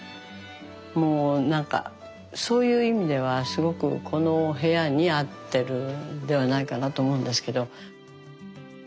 もうなんかそういう意味ではすごくこの部屋に合ってるんではないかなと思うんですけど。